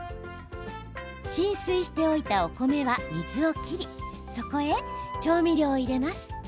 浸水しておいたお米は水を切りそこへ調味料を入れます。